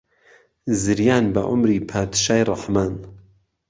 زریان به عومری پادشای ڕهحمان